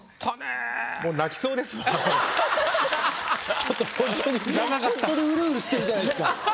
ちょっとほんとにほんとにうるうるしてるじゃないっすか。